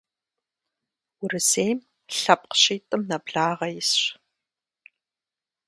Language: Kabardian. Урысейм лъэпкъ щитӏым нэблагъэ исщ.